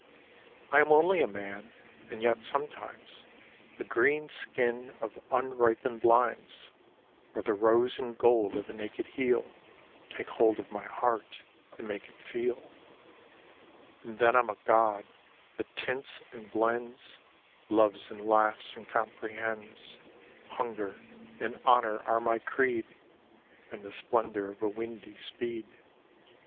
I AM only a man, and yet sometimes The green skin of unripened limes Or the rose and gold of a naked heel Take hold of my heart and make it feel. And then Vm a god, that tints and blends» Loves and laughs and comprehends ; Hunger and honour are my creed, And the splendour of a windy speed.